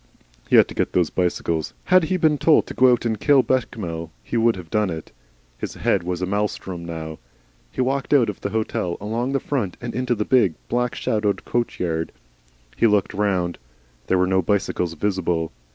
He had to get those bicycles. Had he been told to go out and kill Bechamel he would have done it. His head was a maelstrom now. He walked out of the hotel, along the front, and into the big, black shadowed coach yard. He looked round. There were no bicycles visible.